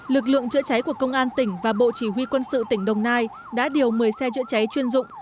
lực lượng chữa cháy của công an tỉnh và bộ chỉ huy quân sự tỉnh đồng nai đã điều một mươi xe chữa cháy chuyên dụng